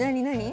何？